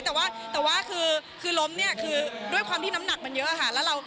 แต่ว่าแต่ว่าคือล้มเนี่ยคือด้วยความที่น้ำหนักมันเยอะค่ะ